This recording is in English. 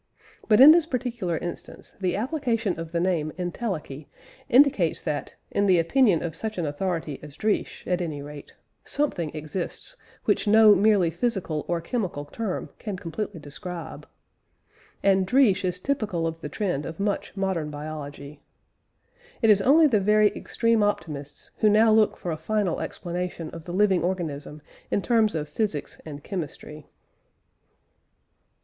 But in this particular instance the application of the name entelechy indicates that, in the opinion of such an authority as Driesch, at any rate, something exists which no merely physical or chemical term can completely describe. And Driesch is typical of the trend of much modern biology. It is only the very extreme optimists who now look for a final explanation of the living organism in terms of physics and chemistry.